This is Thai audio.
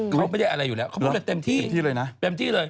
เขาไม่ได้อะไรอยู่แล้วเขาบอกว่าเต็มที่